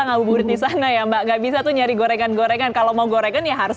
ngaburbur di sana ya mbak nggak bisa tuh nyari gorengan gorengan kalau mau gorengan ya harus